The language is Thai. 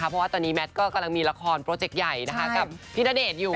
เพราะว่าตอนนี้แมทก็กำลังมีละครโปรเจกต์ใหญ่กับพี่ณเดชน์อยู่